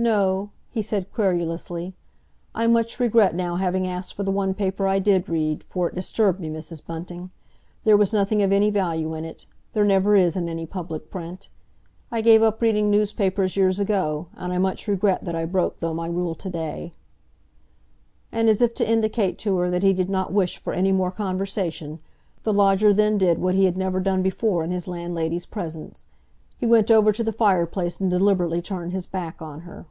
"No," he said querulously. "I much regret now having asked for the one paper I did read, for it disturbed me, Mrs. Bunting. There was nothing of any value in it—there never is in any public print. I gave up reading newspapers years ago, and I much regret that I broke through my rule to day." As if to indicate to her that he did not wish for any more conversation, the lodger then did what he had never done before in his landlady's presence. He went over to the fireplace and deliberately turned his back on her.